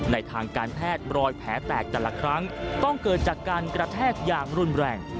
ทางการแพทย์รอยแผลแตกแต่ละครั้งต้องเกิดจากการกระแทกอย่างรุนแรง